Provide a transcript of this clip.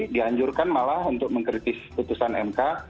dianjurkan malah untuk mengkritis putusan mk